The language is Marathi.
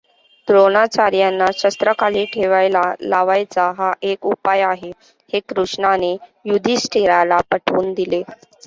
द्रोणाचार्यांना शस्त्र खाली ठेवायला लावायचा हाच एक उपाय आहे हे कृष्णाने युधिष्ठिराला पटवून दिले.